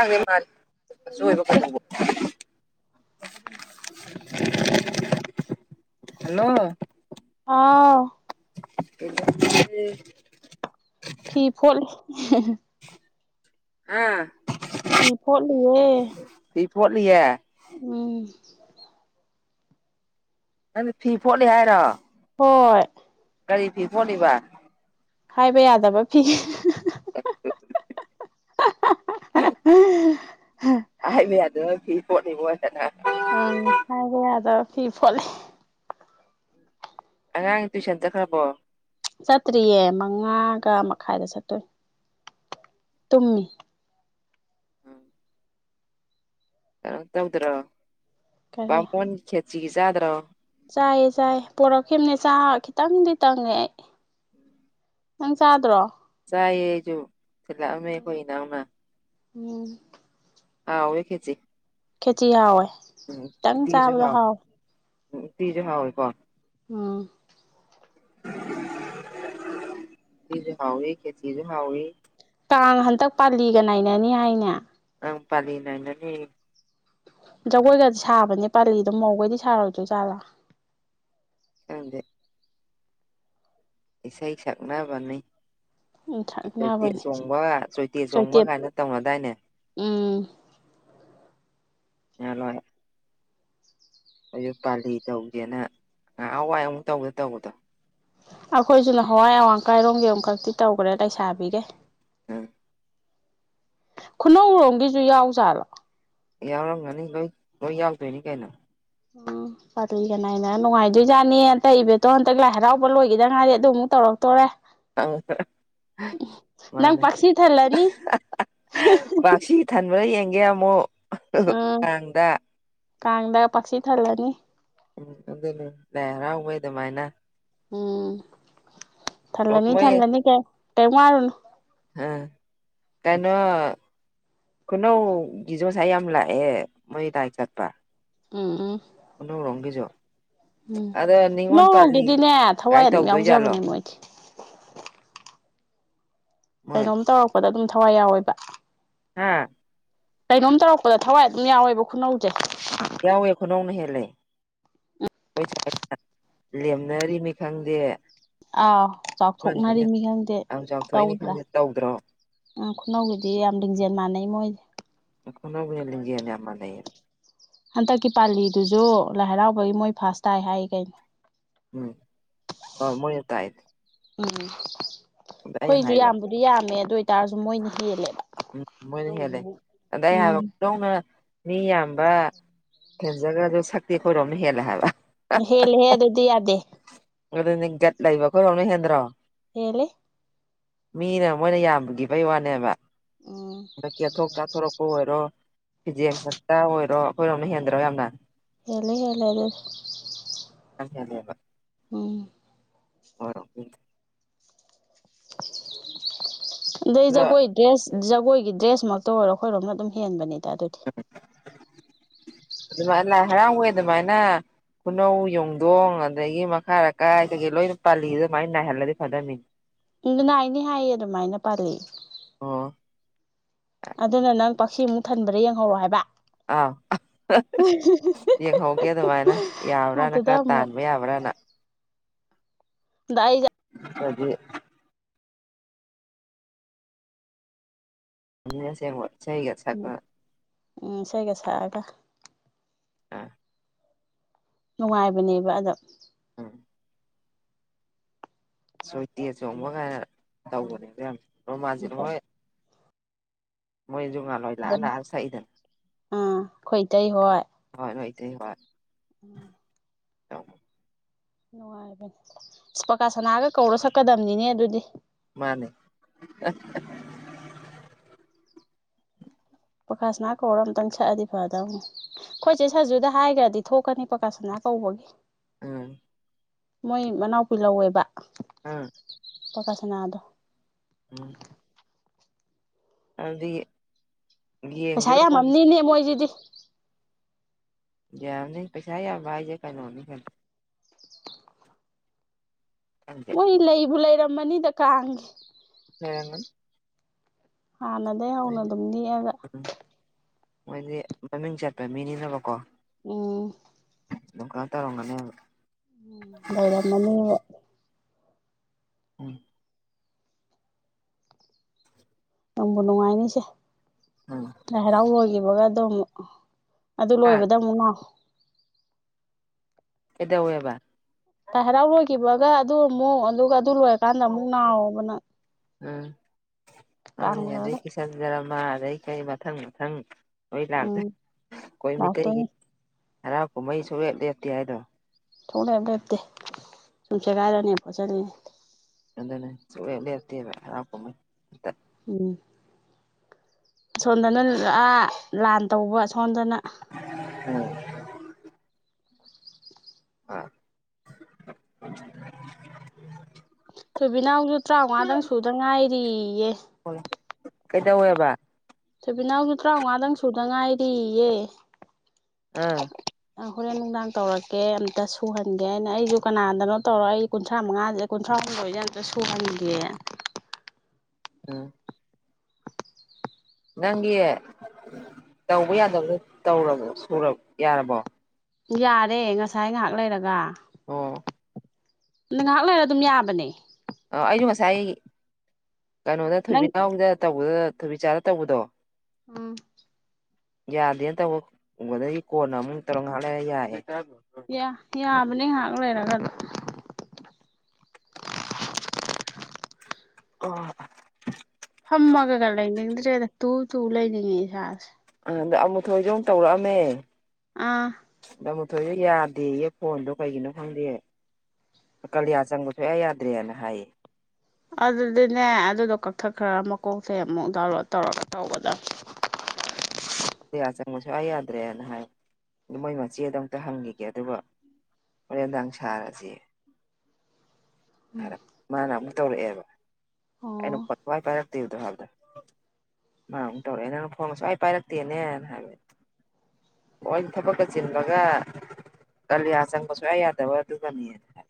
ꯥꯡꯩ ꯃꯥꯁꯨ ꯑꯣꯏꯕ ꯅꯠꯇꯦ ꯐꯥꯎ ꯍꯜꯂꯣ ꯑꯥ ꯑꯦ ꯐꯤ ꯐꯣꯜꯂꯤ ꯑꯥ ꯐꯤ ꯐꯣꯠꯂꯤꯌꯦ ꯐꯣꯠꯂꯤꯂꯤꯌꯥꯦ ꯎꯝ ꯅꯪꯗꯤ ꯐꯤ ꯐꯣꯠꯂꯤ ꯍꯥꯏꯔꯣ ꯍꯣꯏ ꯀꯒꯥꯔꯤ ꯐꯤ ꯐꯣꯟꯂꯤꯕ ꯍꯥꯏꯕ ꯌꯥꯗꯕ ꯐꯤ ꯑ [inaudible] ꯁꯦꯅ ꯎꯝ ꯍꯥꯏꯒꯦ ꯌꯥꯗ ꯐꯤ ꯐꯂꯦ ꯑꯉꯥꯡ ꯇꯨꯏꯁꯟ ꯆꯠꯈ꯭ꯔꯕꯣ ꯆꯠꯇ꯭ꯔꯤꯌꯦ ꯃꯉꯥꯒ ꯃꯈꯥꯏꯗ ꯆꯠꯇꯣꯏ ꯇꯨꯝꯃꯤ ꯀꯩꯅꯣ ꯇꯧꯗ꯭ꯔꯣ ꯀꯔꯤ ꯕꯥꯃꯣꯟ ꯈꯦꯆꯒꯤ ꯆꯥꯗ꯭ꯔꯣ ꯆꯥꯏꯌꯦ ꯆꯥꯏ ꯄꯣꯔꯛꯈꯤꯕꯅꯦ ꯆꯥ ꯈꯤꯇꯪꯗꯤ ꯇꯪꯉꯦ ꯑꯩ ꯅꯪ ꯆꯥꯗ꯭ꯔꯣ ꯌꯦꯁꯨ ꯆꯂꯃꯦ ꯀꯣꯏꯅꯅꯥꯎꯅ ꯎꯝ ꯑ ꯔꯦꯈꯦꯁꯤ ꯈꯦꯇꯤ ꯍꯥꯎꯋꯦ ꯈꯤꯇꯪ ꯆꯥꯕꯗꯣ ꯍꯥꯎꯋꯦ ꯎ ꯁꯤꯖꯍ ꯑꯣꯏꯀꯣ ꯎꯝ ꯆꯤꯖ ꯍꯥꯎꯋꯏ ꯀꯦ ꯆꯤꯖ ꯍꯥꯎꯤ ꯀꯥꯡ ꯍꯟꯗꯛ ꯄꯥꯜꯂꯤꯒ ꯅꯥꯏꯅꯅꯤ ꯍꯥꯏꯅꯦ ꯄꯗꯤꯅꯤꯅꯥꯀꯤ ꯖꯒꯣꯏꯒꯗꯤ ꯁꯥꯕꯅꯦ ꯄꯥꯜꯂꯤꯗꯣ ꯃꯧꯈꯩꯗꯤ ꯁꯥꯔꯣꯏꯗ ꯆꯥꯠꯂꯥ ꯍꯗꯦ ꯑꯦꯁꯥ ꯍ ꯁꯛꯅꯕꯅꯤ ꯎꯝ ꯑꯩ ꯆꯣꯏꯇꯦ ꯁꯛꯅꯕꯅꯦ ꯆꯣꯡꯕ ꯆꯣꯏꯇꯦ ꯆꯣꯡꯕ ꯆꯣꯏꯇꯦꯞ ꯀꯥꯏꯅ ꯇꯧꯅꯗꯥꯏꯅꯦ ꯎꯝ ꯌꯥ ꯂ ꯑꯩꯁꯨ ꯄꯥꯜꯂꯤ ꯇꯧꯁꯦꯅ ꯉꯍꯥꯛ ꯍꯋꯥꯏ ꯑꯃꯨꯛ ꯇꯧꯗ ꯇꯧꯕꯗꯣ ꯑꯩꯈꯣꯏꯁꯨꯅ ꯍꯋꯥꯏ ꯑꯋꯥꯡ ꯀꯥꯏꯔꯣꯝꯒꯤ ꯑꯃꯈꯛꯇꯤ ꯇꯧꯈ꯭ꯔꯦ ꯂꯩꯁꯥꯕꯤꯒꯦ ꯍꯝ ꯈꯨꯅꯧꯔꯣꯝꯒꯤꯁꯨ ꯌꯥꯎꯖꯥꯠꯂꯣ ꯌꯥꯎꯔꯝꯒꯅꯤ ꯂꯣꯏ ꯂꯣꯏ ꯌꯥꯎꯛꯇꯣꯏꯅꯤ ꯀꯩꯅꯣ ꯑꯣ ꯀꯔ ꯀꯅꯥꯏꯅ ꯅꯨꯡꯉꯥꯏꯗꯣꯏꯖꯠꯅꯤ ꯍꯟꯇꯛ ꯏꯕꯦꯠꯇꯣ ꯍꯟꯇꯛ ꯂꯥꯏ ꯍꯔꯥꯎꯕ ꯂꯣꯏꯈꯤꯗꯉꯥꯏꯔꯗꯤ ꯑꯗꯨ ꯑꯃꯨꯛ ꯇꯧꯔꯛꯇꯣꯔꯦ ꯑ ꯅꯪ ꯃꯥꯅꯦ ꯄꯥꯛꯁꯤ ꯊꯜꯂꯅꯤ ꯄꯥꯛꯁꯤ ꯊꯟꯕ꯭ꯔꯥ ꯌꯦꯡ ꯒꯦ ꯑꯃꯨꯛ ꯎꯝ ꯀꯥꯟꯗ ꯀꯥꯡꯗ ꯄꯥꯛꯁꯤ ꯊꯜꯂꯅꯤ ꯎꯝ ꯑꯗꯨ ꯂꯔꯕꯦ ꯑꯗꯨꯃꯥꯏꯅ ꯎꯝ ꯑꯣ ꯊꯜꯂꯅꯤ ꯃꯣꯏ ꯊꯜꯂꯅꯤ ꯀꯩ ꯀꯩ ꯋꯥꯔꯨꯅꯣ ꯑꯥ ꯀꯥꯏꯩꯅꯣ ꯀꯩꯅꯧ ꯖꯣꯁꯥꯏ ꯌꯥꯝ ꯂꯥꯛꯑꯦ ꯃꯣꯏ ꯇ ꯆꯠꯄ ꯎꯝ ꯎꯝ ꯑꯣꯅ ꯔꯪꯒꯤꯖꯣ ꯎꯝ ꯑꯗꯣ ꯅꯤꯉꯣꯜ ꯄꯥꯜꯂꯤ ꯈꯨꯅꯧꯔꯣꯝꯒꯤꯗꯤꯅꯦ ꯊꯋꯥꯏ ꯀꯥꯏ ꯑꯗꯨꯝ ꯇꯧꯗꯣꯏꯖꯥꯠꯂꯣ ꯌꯥꯎꯖꯕꯅꯦ ꯃꯣꯏꯗꯤ ꯃꯣꯏ ꯀꯩꯅꯣꯝ ꯇꯧꯔꯛꯄꯗ ꯑꯗꯨꯝ ꯊꯋꯥꯏ ꯌꯥꯎꯋꯦꯕ ꯍꯥꯝ ꯀꯩꯅꯣꯝ ꯇꯧꯔꯛꯄꯗ ꯊꯋꯥꯏ ꯑꯗꯨꯝ ꯌꯥꯎꯋꯦꯕ ꯈꯨꯅꯧꯁꯦ ꯌꯥꯎꯋꯦ ꯈꯨꯅꯧꯅ ꯍꯦꯜꯂꯦ ꯂꯦꯝꯅꯔꯤꯅꯤ ꯈꯪꯗꯦ ꯑꯥꯎ ꯆꯥꯎꯊꯣꯛꯅꯔꯤꯅꯤ ꯈꯪꯗꯦ ꯑꯕ ꯆꯥꯎꯊꯣꯛꯏꯅꯤ ꯇꯧꯗ꯭ꯔꯥ ꯈꯪꯗꯦ ꯇꯧꯗ꯭ꯔꯣ ꯎꯝ ꯈꯨꯅꯧꯒꯤꯗꯤ ꯌꯥꯝ ꯂꯤꯡꯖꯦꯜ ꯃꯥꯟꯅꯩ ꯃꯣꯏꯁꯦ ꯀꯅꯕꯨ ꯌꯥ ꯂꯖꯌꯥꯅꯤ ꯑꯃ ꯂꯩꯔ ꯍꯟꯗꯛꯀꯤ ꯄꯥꯜꯂꯤꯗꯨꯁꯨ ꯂꯥꯏ ꯍꯔꯥꯎꯕꯒꯤ ꯃꯣꯏ ꯐꯥꯁ ꯇꯥꯏ ꯍꯥꯏ ꯀꯩꯅꯣ ꯎꯝ ꯍ ꯃ ꯇꯥꯏꯗꯤ ꯎꯝ ꯑꯩꯈꯣꯏꯁꯨ ꯌꯥꯝꯕꯗꯤ ꯌꯥꯝꯃꯦ ꯑꯗꯨ ꯑꯣꯏꯇꯥꯔꯁꯨ ꯃꯣꯏꯅ ꯍꯦꯜꯂꯦꯕ ꯎꯝ ꯃꯣꯏꯅ ꯍꯦꯂꯦ ꯑꯗ ꯑꯩ ꯎꯝ ꯍꯥꯏꯕꯅ ꯃꯤ ꯌꯥꯝꯕ ꯊꯦꯟꯖꯈ꯭ꯔꯁꯨ ꯁꯛꯇꯤ ꯑꯩꯈꯣꯏꯔꯣꯝꯅ ꯍꯦꯜꯂꯦ ꯍꯥꯏꯕ ꯍꯦꯜꯂꯦꯍꯦ ꯑꯗꯨꯗꯤ ꯌꯥꯗꯦ ꯑꯗꯨꯅꯤ ꯒꯠ ꯂꯩꯕ ꯈꯈꯣꯏꯥꯎꯅ ꯍꯦꯟꯗ꯭ꯔꯣ ꯃꯦꯂꯦ ꯃꯤꯅ ꯃꯣꯏꯅ ꯌꯥꯝꯕꯒꯤ ꯐꯩ ꯋꯥꯅꯦꯕ ꯎꯝ ꯑꯗ ꯆꯦꯊꯣꯛ ꯆꯥꯊꯣꯔꯛꯄ ꯑꯣꯏꯔꯣ ꯐꯤꯖꯦꯛꯛꯇ ꯑꯣꯏꯔꯣ ꯍꯣꯏꯔꯣꯝ ꯍꯦꯟꯗ꯭ꯔꯣ ꯌꯥꯝꯅ ꯍꯦꯜꯂꯦ ꯍꯦꯜꯂꯦ ꯑꯗꯨꯗꯤ [inaudible] ꯎꯝ ꯍꯣꯏ ꯑꯗꯩ ꯑꯗꯣ ꯖꯒꯣꯏ ꯗ꯭ꯔꯦꯁ ꯖꯒꯣꯏꯒꯤ ꯗ꯭ꯔꯦꯁꯃꯛꯇ ꯑꯣꯏꯔꯣ ꯑꯩꯈꯣꯏꯔꯣꯝꯅ ꯑꯗꯨꯝ ꯍꯦꯟꯕꯅꯤ ꯑꯗꯨꯗꯤ ꯑꯗꯨꯃꯥꯏꯅ ꯂꯥꯏ ꯍꯔꯥꯎꯋꯦ ꯑꯗꯨꯃꯥꯏꯅ ꯈꯨꯅꯧ ꯌꯣꯡꯗꯣꯡ ꯑꯗꯒꯤ ꯃꯈꯥ ꯑꯀꯥꯏ ꯀꯩꯀꯩ ꯂꯣꯏꯅ ꯄꯥꯜꯂꯤꯗ ꯑꯗꯨꯃꯥꯏꯅꯅꯥꯍꯜꯂꯗꯤ ꯐꯅꯝꯃꯤꯅꯤ ꯅꯥꯏꯅꯤ ꯍꯥꯏꯌꯦ ꯑꯗꯨꯃꯥꯏꯅ ꯄꯥꯜꯂꯤ ꯑꯣ ꯑꯗꯨꯅ ꯅꯪ ꯄꯛꯁꯤꯃꯨꯛ ꯊꯟꯕꯗ ꯌꯦꯡꯍꯧꯔꯑꯣ ꯍꯥꯏꯕ ꯑꯥ ꯌꯦꯡꯍꯧꯒꯦ ꯑꯗꯨꯃꯥꯏꯅ ꯌꯥꯕ꯭ꯔꯥꯅ ꯑꯗꯨꯗ ꯈꯔ ꯑꯃꯨꯛ ꯇꯥꯟꯕ ꯌꯥꯕ꯭ꯔꯅ ꯗꯥ ꯑꯩ ꯑꯩꯗꯤ ꯁꯦꯡ ꯆꯍꯤꯒ ꯁꯀ ꯎꯝ ꯏꯁꯩꯒ ꯁꯥꯛꯑꯒ ꯑꯥ ꯅꯨꯡꯉꯥꯏꯕꯅꯦꯕ ꯑꯗꯣ ꯎꯝ ꯁꯣꯏꯇꯦ ꯆꯣꯡꯕ ꯀꯥꯏꯅ ꯇꯧꯕꯅꯦꯗ ꯌꯥꯝ ꯑꯥ ꯔꯣꯃꯥꯟꯖꯤꯛ ꯍꯣꯏ ꯃꯣꯏ ꯖꯍꯥ ꯂꯣꯏ ꯂꯥꯛꯑ ꯂꯥꯑ ꯆꯍꯤꯗ ꯑꯥ ꯈꯣꯏ ꯇꯩ ꯍꯣꯏ ꯍꯣꯏ ꯍꯣꯏꯇꯩ ꯍꯣꯏ ꯎꯝ [inaudible] ꯅꯨꯡꯉꯥꯏꯕꯅꯦ ꯄꯀꯥ ꯁꯅꯥꯒ ꯀꯧꯔ ꯁꯛꯀꯗꯝꯕꯅꯤꯅꯦ ꯑꯗꯨꯗꯤ ꯃꯥꯅꯦ ꯄꯀꯥꯥꯁꯅꯥ ꯀꯧꯔ ꯑꯃꯝꯇꯪ ꯁꯛꯑꯗꯤ ꯐꯗꯧꯅꯤ ꯑꯩꯈꯣꯏꯁꯦ ꯁꯖꯨꯗ ꯍꯥꯏꯈ꯭ꯔꯗꯤ ꯊꯣꯛꯀꯅꯤ ꯄꯀꯥꯁꯅꯥ ꯇꯕꯒꯦ ꯎꯝ ꯃꯣꯏ ꯃꯅꯥꯎꯄꯤꯍꯧꯋꯦꯕ ꯑꯥ ꯄꯀ ꯁꯅꯗꯣ ꯎꯝ ꯑꯗꯨ ꯄꯩꯁꯥ ꯌꯥꯝꯃꯝꯅꯤꯅꯦ ꯃꯣꯏꯁꯤꯗꯤ ꯌꯥꯅꯤ ꯄꯁꯥ ꯌꯥꯏꯖ ꯀꯩꯅꯣꯅꯤ ꯐ [inaudible] ꯃꯣꯏ ꯂꯩꯕꯨ ꯂꯩꯔꯝꯃꯅꯤꯗ ꯀꯥꯡꯒꯦ ꯂꯩꯔꯝꯒꯅꯤ ꯍꯥꯟꯅꯗꯒꯤꯩ ꯍꯧꯅ ꯑꯗꯨꯝ ꯅꯦꯛꯑꯒ ꯎꯝ ꯃꯣꯏꯗꯤ ꯃꯃꯤꯡ ꯆꯠꯄ ꯃꯤꯅꯤꯅꯕꯀꯣ ꯎꯝ ꯂ ꯀꯥꯟ ꯇꯧꯔꯣꯒꯅꯦ ꯎꯝ ꯂꯩꯔꯝꯃꯅꯤꯕ ꯎꯝ ꯅꯪꯕꯨ ꯅꯨꯡꯉꯥꯏꯅꯤꯁꯦ ꯎꯝ ꯂꯥꯏ ꯍꯔꯥꯎꯕ ꯑꯣꯏꯈꯤꯕꯒ ꯑꯗꯨꯝꯨꯛ ꯑꯗꯨ ꯂꯣꯏꯕꯗ ꯑꯃꯨꯛ ꯉꯥꯎ ꯀꯗꯎ ꯑꯦꯕ ꯇꯥꯏ ꯍꯔꯥꯎ ꯂꯣꯏꯈꯤꯕꯒ ꯑꯗꯨ ꯑꯃꯨꯛ ꯑꯗꯨꯒ ꯑꯗꯨ ꯂꯣꯏꯔꯀꯥꯟꯗ ꯑꯃꯨꯛ ꯅꯥꯥꯎꯕꯅ ꯎꯝ ꯃꯥꯅꯦ ꯑꯗꯩ ꯀꯆꯟꯖꯔꯃꯥ ꯑꯗꯩ ꯀꯩ ꯃꯊꯪ ꯃꯊꯪ ꯅꯣꯏ ꯂꯥꯛꯇꯦ ꯎꯝ ꯑꯩꯈꯣꯏ ꯃꯤꯇꯩꯒꯤ ꯂꯥꯛꯇꯣꯏꯅꯤ ꯍꯔꯥꯎ ꯀꯨꯝꯍꯩ ꯁꯨꯡꯂꯦꯞ ꯂꯦꯞꯇꯦ ꯍꯥꯏꯗꯣ ꯊꯣꯛꯂꯛꯦꯞ ꯂꯦꯞꯇꯦ ꯁꯨꯝ ꯁꯦꯒꯥꯏꯔꯅꯦ ꯄꯣꯠꯆꯠꯂꯤꯅꯦ ꯅꯅ ꯆꯨꯂꯂꯦ ꯏꯔꯇꯦ ꯔꯄꯃꯦꯃꯦ ꯑ ꯎꯝ ꯁꯣꯝꯗꯅ ꯂꯥ ꯂꯥꯟ ꯇꯧꯕ ꯁꯣꯝꯗꯅ ꯑ [unintelligible] [inaudible] ꯁꯨꯕꯤꯅꯥ ꯍꯧꯨꯁꯨ ꯇꯔꯥꯃꯉꯥꯗꯪ ꯁꯨꯗ ꯉꯥꯏꯔꯤꯌꯦ ꯍꯣꯏ ꯀꯩꯗꯧꯋꯦꯕ ꯁꯨꯕꯤꯅꯥꯎꯁꯨ ꯇꯔꯥꯃꯉꯥꯗꯪ ꯁꯨꯗ ꯉꯥꯏꯔꯤꯌꯦ ꯑꯥ ꯑ ꯍꯣꯔꯦꯟ ꯅꯨꯡꯗꯥꯡ ꯇꯧꯔꯛꯀꯦ ꯑꯃꯝꯇ ꯁꯨꯍꯟꯒꯦ ꯑꯅ ꯑꯩꯁꯨ ꯀꯅꯥꯗꯅꯣ ꯇꯧꯔꯛ ꯑꯩ ꯀꯨꯟꯊ꯭ꯔꯥ ꯃꯉꯥꯁꯦ ꯀꯨꯟꯊ꯭ꯔꯥ ꯄꯥꯂ ꯌꯥꯁꯨ ꯁꯋꯥꯅꯤꯗꯤ ꯑꯝ ꯅꯪꯒꯤ ꯇꯧꯕ ꯌꯥꯗꯕꯅ ꯇꯧꯔꯕ ꯌꯥꯔꯕꯣ ꯌꯥꯔꯦ ꯉꯁꯥꯏ ꯉꯥꯏꯍꯥꯛ ꯂꯩꯔꯒ ꯑꯣ ꯉꯥꯏꯍꯥꯛ ꯂꯩꯔ ꯑꯗꯨꯝ ꯌꯥꯕꯅꯦ ꯑ ꯑꯩꯁꯨ ꯉꯁꯥꯏ ꯀꯩꯅꯣꯗ ꯅꯪ ꯊꯣꯏꯕꯤꯅꯥꯎꯗ ꯇꯧꯕꯗꯨ ꯑꯗꯨꯕꯤ ꯆꯥꯔ ꯇꯧꯕꯗꯣ ꯎꯝ ꯌꯥꯗꯦꯅ ꯇꯧꯕ ꯎꯗꯤ ꯀꯣꯟꯅ ꯑꯃꯨꯛ ꯇꯧꯔ ꯍꯥꯂꯑ ꯌꯥꯏꯑꯦ ꯌꯥꯕꯅꯦ ꯉꯥꯏꯍꯥꯛ ꯂꯩꯔꯒ ꯑ ꯐꯝꯃꯒꯒ ꯂꯩꯅꯤꯡꯗ꯭ꯔꯦꯗ ꯇꯨ ꯇꯨ ꯂꯩꯅꯤꯡꯉꯦ ꯏꯁꯥꯁꯦ꯫ ꯍꯟꯗꯛ ꯑꯃꯨꯊꯣꯏꯁꯨ ꯑꯃꯨꯛ ꯇꯧꯔꯛꯑꯝꯃꯦ꯫ ꯑꯥ ꯗꯃꯨꯊꯣꯏꯁꯨ ꯌꯥꯗꯦꯌꯦ ꯐꯣꯟꯗꯣ ꯀꯩꯒꯤꯅꯣ ꯈꯪꯗꯦ꯫ ꯀꯂꯤꯌꯥ ꯆꯪꯕ ꯁꯨꯌꯥ ꯌꯥꯗ꯭ꯔꯦꯅ ꯍꯥꯏꯌꯦ꯫ ꯑꯗꯨꯗꯤꯅꯦ ꯑꯗꯨꯗꯣ ꯀꯛꯊꯠꯈ꯭ꯔ ꯃꯀꯣꯛꯇꯩ ꯑꯃꯨꯛ ꯗꯥꯎꯟꯂꯣꯗ ꯇꯧꯔꯒ ꯇꯧꯒꯗꯝ꯫ [inaudible] ꯀꯌꯥ ꯆꯪꯕ ꯁꯨꯌꯥ ꯌꯥꯗ꯭ꯔꯦꯅ ꯍꯥꯏ ꯑꯗꯨ ꯃꯣꯏ ꯃꯆꯦꯗ ꯑꯝꯇ ꯍꯪꯈꯤꯒꯦ ꯑꯗꯨꯒ ꯍꯣꯔꯦꯟꯗꯥꯡ ꯁꯥꯔꯁꯤ [unintelligible] ꯃꯥꯅ ꯃꯨꯛ ꯇꯧꯔꯛꯑꯦꯕ ꯑꯩꯅ ꯑꯣ ꯐꯣꯟ [unintelligible] ꯄꯥꯏꯔꯛꯇꯦꯕꯗꯣ ꯍꯕꯗꯣ꯫ ꯃꯥ ꯑꯃꯨ ꯇꯧꯔꯛꯑꯦ ꯅꯪꯅ ꯐꯣꯟꯒ ꯁꯨꯄꯥꯏ ꯄꯥꯏꯔꯛꯇꯦꯅꯦꯅ ꯍꯥꯏꯕ [unintelligible] ꯊꯕꯛ ꯀ ꯆꯤꯟꯕꯒ ꯀꯂꯤꯌꯥ ꯆꯪꯕ ꯁꯨꯡꯌꯥ ꯌꯥꯗꯕ ꯑꯗꯨꯒꯅꯤꯅ ꯍꯥꯏ꯫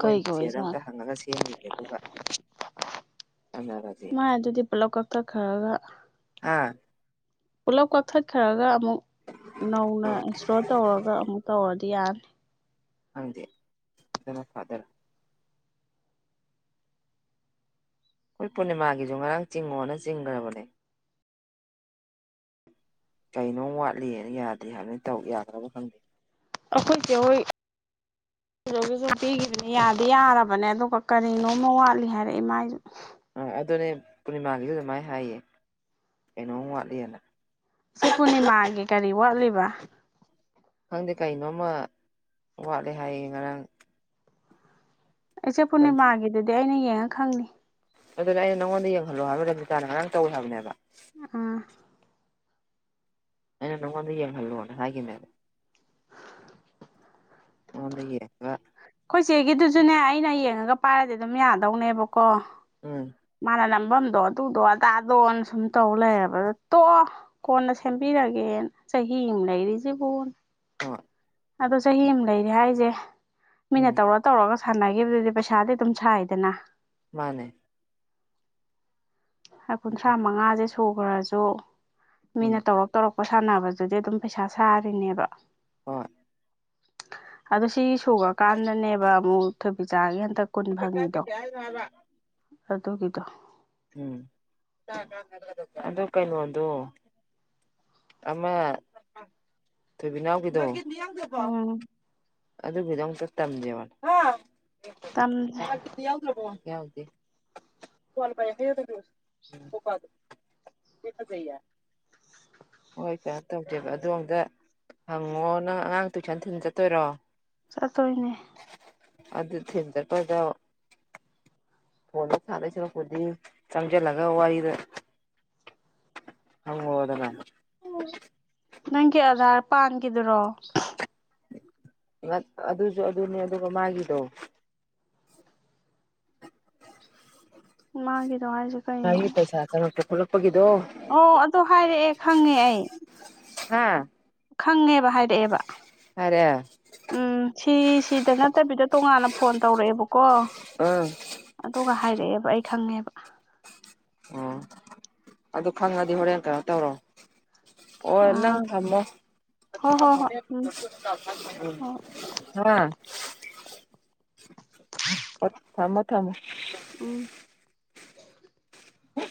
ꯃꯣꯏ ꯀꯩꯒꯤ ꯃꯆꯦꯗ ꯑꯝꯇ ꯑꯣꯏꯖꯥꯠꯅꯣ ꯍꯪꯉꯒ ꯁꯦꯝꯒꯤꯒꯦ ꯑꯗꯨꯒ ꯆꯠꯅꯔꯁꯦ ꯃꯥꯥꯏ ꯑꯗꯨꯗꯤ ꯄꯨꯂꯞ ꯀꯛꯊꯠꯈ꯭ꯔꯒ [unintelligible] ꯄꯨꯂꯞ ꯀꯛꯊꯠꯈꯔꯒ ꯑꯃꯨꯛ ꯅꯧꯅ ꯏꯟꯁꯔꯣ ꯇꯧꯔꯒ ꯑꯃꯨꯛ ꯇꯧꯔꯗꯤ ꯌꯥꯅꯤ꯫ ꯈꯪꯗꯦ ꯑꯗꯨꯅ ꯐꯗꯣꯔꯥ꯫ ꯈꯣꯏ ꯄꯨꯔꯅꯤꯃꯥꯒꯤꯁꯨ ꯉꯔꯥꯡ ꯆꯤꯡꯉꯣꯅ ꯆꯤꯡꯈ꯭ꯔꯕꯅꯦ꯫ ꯀꯩꯅꯣꯝ ꯋꯥꯠꯂꯤꯅ ꯌꯥꯗꯦ ꯍꯥꯏꯕꯅꯦ ꯇꯧ ꯌꯥꯗ꯭ꯔꯕ ꯈꯪꯗꯦ꯫ ꯑꯈꯣꯏ ꯆꯦꯍꯣꯢ [unintelligible] ꯄꯤꯈꯤꯕꯅꯦ ꯌꯥꯗꯤ ꯌꯥꯔꯕꯅꯦ ꯑꯗꯨꯒ ꯀꯔꯤꯅꯣꯝꯃ ꯋꯥꯠꯂꯤ ꯍꯥꯏꯔꯛꯏ ꯃꯥꯏꯁꯨ꯫ ꯑ ꯑꯗꯨꯅꯦ ꯄꯨꯔꯅꯤꯃꯥꯒꯤꯁꯨ ꯗꯨꯃꯥꯏꯅ ꯍꯥꯏꯌꯦ ꯀꯩꯅꯣꯝ ꯋꯥꯠꯂꯤꯅ꯫ [unintelligible] ꯄꯨꯔꯅꯤꯃꯥꯒꯤ ꯀꯔꯤ ꯋꯥꯠꯂꯤꯕ? ꯈꯪꯗꯦ ꯀꯩꯅꯣꯝꯃ ꯋꯥꯠꯂꯦ ꯍꯥꯏꯌꯦ ꯉꯔꯥꯡ꯫ ꯏꯆꯦ ꯄꯨꯔꯅꯤꯃꯥꯒꯤꯗꯨꯗꯤ ꯑꯩꯅ ꯌꯦꯡꯉ ꯈꯪꯅꯤ꯫ ꯑꯗꯨꯗ ꯑꯩꯅ ꯅꯉꯣꯟꯗ ꯌꯦꯡꯍꯜꯂꯣ ꯍꯥꯏꯕ ꯔꯕꯤꯇꯥꯅ ꯉꯔꯥꯡ ꯇꯧꯋꯦ ꯍꯥꯏꯕꯅꯦꯕ꯫ ꯑ ꯑꯩꯅ ꯅꯉꯣꯟꯗ ꯌꯦꯡꯍꯜꯂꯣꯅ ꯍꯥꯏꯒꯤꯝꯃꯦꯕ꯫ [unintelligible] ꯈꯣꯏꯆꯦꯒꯤꯗꯨꯁꯨꯅꯦ ꯑꯩꯅ ꯌꯦꯡꯉꯒ ꯄꯥꯏꯔꯗꯤ ꯑꯗꯨꯝ ꯌꯥꯗꯧꯅꯦꯕꯀꯣ꯫ ꯎꯝ ꯃꯥꯅ ꯅꯝꯕꯝꯗꯣ ꯑꯗꯨꯗꯣ ꯑꯗꯥꯗꯣꯅ ꯁꯨꯝ ꯇꯧ ꯂꯩꯌꯦꯕ ꯇꯣꯑꯣ ꯀꯣꯟꯅ ꯁꯦꯝꯕꯤꯔꯒꯦꯅ ꯆꯍꯤꯝ ꯂꯩꯔꯤꯖꯤꯕꯨꯟ ꯍꯣꯏ ꯑꯗꯣ ꯆꯍꯤꯝ ꯂꯩꯔꯦ ꯍꯥꯏꯖꯦ ꯃꯤꯅ ꯎꯝ ꯇꯧꯔ ꯇꯧꯔꯒ ꯁꯥꯟꯅꯈꯤꯕꯗꯨꯗꯤ ꯄꯩꯁꯥꯗꯤ ꯑꯗꯨꯝ ꯁꯥꯏꯗꯅ꯫ ꯃꯥꯅꯦ꯫ ꯀꯨꯟꯊ꯭ꯔꯥ ꯃꯉꯥꯖꯦ ꯁꯨꯈ꯭ꯔꯁꯨ ꯎꯝ ꯃꯤꯅ ꯇꯧꯔꯛ ꯇꯧꯔꯛ [unintelligible] ꯁꯥꯟꯅꯕꯗꯨꯗꯤ ꯑꯗꯨꯝ ꯄꯩꯁꯥ ꯁꯥꯔꯤꯅꯦꯕ꯫ [unintelligible] ꯑꯗꯣ ꯁꯤ ꯁꯨꯔꯀꯥꯟꯗꯅꯦꯕ ꯑꯃꯨꯛ ꯊꯣꯏꯕꯤꯆꯥꯒꯤ ꯍꯟ [unintelligible] ꯀꯨꯟ ꯐꯪꯉꯤꯗꯣ ꯑꯗꯨꯒꯤꯗꯣ꯫ ꯎꯝ ꯑꯗꯨ ꯀꯩꯅꯣꯗꯣ ꯑꯃ ꯊꯣꯏꯕꯤꯒꯤꯗꯣ ꯎꯝ ꯑꯗꯨꯒꯤꯗꯣ ꯑꯃꯨꯛꯇ ꯇꯝꯖꯦ ꯇꯝꯁꯦ [unintelligible] ꯌꯥꯎꯗꯦ꯫ [unintelligible] ꯍꯣꯏ ꯀꯩꯅꯣ ꯇꯧꯁꯦꯕ ꯑꯗꯣ ꯑꯝꯇ ꯍꯪꯉꯣ ꯅꯪ ꯑꯉꯥꯡ ꯇꯨꯏꯁꯟ ꯊꯤꯟ ꯆꯠꯇꯣꯏꯔꯣ? ꯆꯠꯇꯣꯏꯅꯦ ꯑꯗꯨ ꯊꯤꯟꯆꯠꯄꯗ ꯐꯣꯟꯗ ꯁꯥꯟꯅꯁꯤꯔꯛꯄꯨꯗꯤ ꯆꯪꯁꯤꯜꯂꯒ ꯋꯥꯔꯤꯗ ꯑ ꯍꯗꯅ ꯅꯪꯒꯤ ꯑꯙꯥꯔ ꯄꯥꯟꯈꯤꯗꯨꯔꯣ ꯑꯗꯨꯁꯨ ꯑꯗꯨꯅꯦ ꯑꯗꯨꯒ ꯃꯥꯒꯤꯗꯣ ꯃꯥꯒꯤꯗꯣ ꯍꯥꯏꯁꯦ ꯀꯩꯅꯣ ꯐꯂꯛꯄ ꯑꯣ ꯑꯗꯨꯗ ꯍꯥꯏꯔꯛꯑꯦ ꯈꯪꯉꯦ ꯑꯩ ꯍꯥꯥ ꯈꯪꯉꯦꯕ ꯍꯥꯏꯔꯛꯑꯦꯕ ꯍꯥꯏꯔꯦ ꯑ ꯎꯝ ꯁꯤ ꯁꯤꯗ ꯅꯠꯇꯕꯤꯗ ꯇꯣꯉꯥꯟꯅl ꯐꯣꯟ ꯇꯧꯔꯛꯑꯦꯕꯀꯣ ꯑꯣ ꯑꯗꯨꯒ ꯍꯥꯏꯔꯛꯑꯦꯕ ꯑꯩ ꯈꯪꯉꯦꯕ ꯑꯣ ꯑꯗꯨ ꯈꯪꯉꯗꯤ ꯍꯣꯔꯦꯟ ꯀꯩꯅꯣ ꯇꯧꯔꯣ ꯑꯣ ꯅꯪ ꯑꯥ ꯊꯝꯃꯣ ꯍꯣꯏ ꯍꯣꯏ ꯍꯣꯏ ꯎꯝ ꯍꯣꯏ ꯍꯥꯥ ꯑꯣ ꯊꯃꯣ ꯊꯃꯣ ꯎꯝ ꯎ